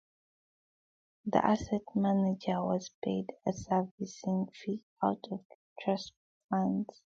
The asset manager was paid a servicing fee out of trust funds.